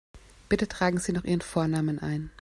Bitte tragen Sie noch Ihren Vornamen ein.